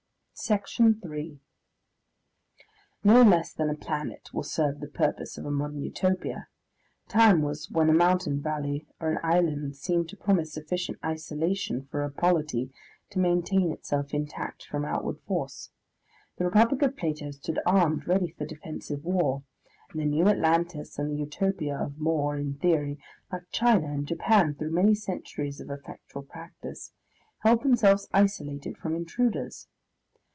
Section 3 No less than a planet will serve the purpose of a modern Utopia. Time was when a mountain valley or an island seemed to promise sufficient isolation for a polity to maintain itself intact from outward force; the Republic of Plato stood armed ready for defensive war, and the New Atlantis and the Utopia of More in theory, like China and Japan through many centuries of effectual practice, held themselves isolated from intruders.